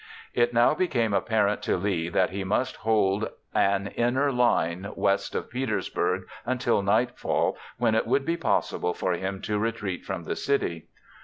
It now became apparent to Lee that he must hold an inner line west of Petersburg until nightfall, when it would be possible for him to retreat from the city.